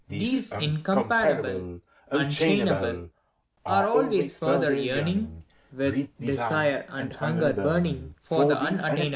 These incomparable, unchainable, Are always further yearning, With desire and hunger burning For the unattainable